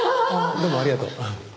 どうもありがとう。